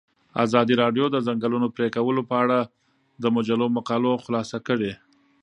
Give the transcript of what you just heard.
ازادي راډیو د د ځنګلونو پرېکول په اړه د مجلو مقالو خلاصه کړې.